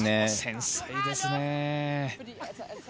繊細ですね。